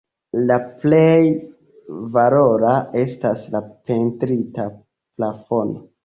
La plej valora estas la pentrita plafono.